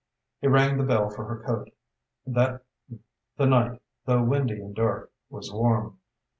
He rang the bell for her coat. The night, though windy and dark, was warm.